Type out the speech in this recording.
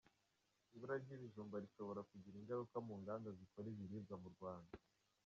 Ibura ry’ibijumba rishobora kugira ingaruka mu nganda zikora ibiribwa mu Rwanda